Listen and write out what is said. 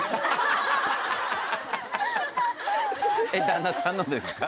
旦那さんのですか？